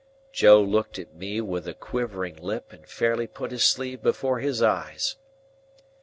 Joe looked at me with a quivering lip, and fairly put his sleeve before his eyes.